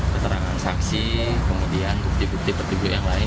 keterangan saksi kemudian bukti bukti pertunjuk yang lain